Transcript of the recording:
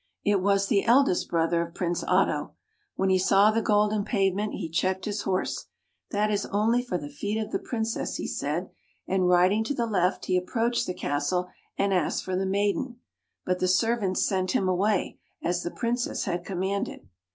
It was the eldest brother of Prince Otto. T^Tien he saw the golden pavement he checked his horse. " That is only for the [ 106 ] THE HEALING WATER feet of the Princess/^ he said, and riding to the left he approached the castle, and asked for the maiden. But the servants sent him away, as the Princess had commanded.